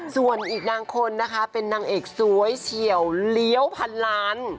ส่วนอีกนางคนนะคะเป็นนางเอกสวยเฉียวเลี้ยวพันล้าน